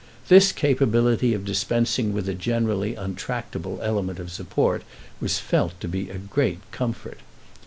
This capability of dispensing with a generally untractable element of support was felt to be a great comfort.